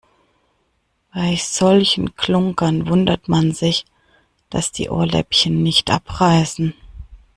Bei solchen Klunkern wundert man sich, dass die Ohrläppchen nicht abreißen.